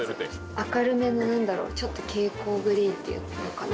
「明るめのちょっと蛍光グリーンっていうのかな」